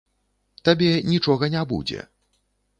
Табе нічога не будзе.